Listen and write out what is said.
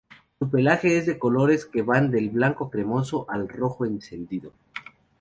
Su pelaje es de colores que van del blanco cremoso al rojo encendido.